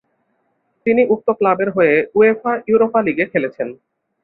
তিনি উক্ত ক্লাবের হয়ে উয়েফা ইউরোপা লীগে খেলেছেন।